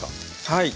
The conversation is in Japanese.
はい。